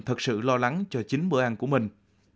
thật sự lo lắng cho chính bữa ăn của mình